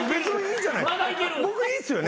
僕いいっすよね？